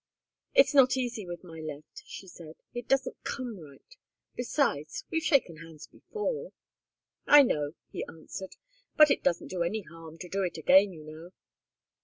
"It's not easy with my left," she said. "It doesn't come right besides, we've shaken hands before." "I know," he answered. "But it doesn't do any harm to do it again, you know."